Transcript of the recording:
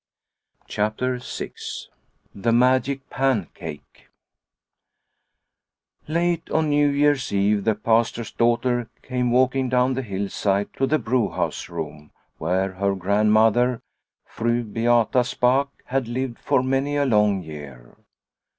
CHAPTER VI THE MAGIC PANCAKE TATE on New Year's Eve the Pastor's L/ daughter came walking down the hill side to the brewhouse room where her Grand mother, Fru Beata Spaak, had lived for many a long year.